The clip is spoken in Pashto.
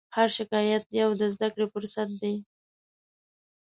هر شکایت یو د زدهکړې فرصت دی.